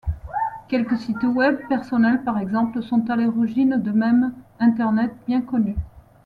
Quelques sites web personnels, par exemple, sont à l'origine de mèmes Internet bien connus.